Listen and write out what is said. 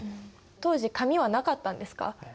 当時紙はなかったんですか？